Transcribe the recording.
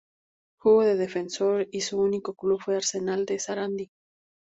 Jugó de defensor y su único club fue Arsenal de Sarandí.